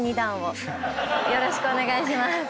よろしくお願いします。